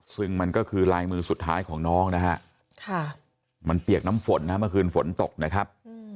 ซึ่งมันก็คือลายมือสุดท้ายของน้องนะฮะมันเปียกน้ำฝนนะเมื่อคืนฝนตกนะครับ